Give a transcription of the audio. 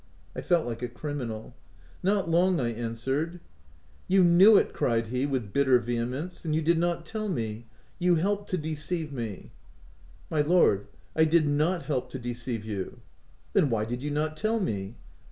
I felt like a criminal. " Not long," I answered. OF WILDFELL HALL. j "You knew it !" cried he with bitter vehe mence—" and you did not tell me ! You helped to deceive me !"" My lord, I did not help to deceive you. r " Then why did you not tell me